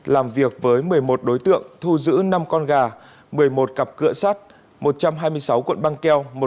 làm việc với một mươi một đối tượng thu giữ năm con gà một mươi một cặp cửa sắt một trăm hai mươi sáu cuộn băng keo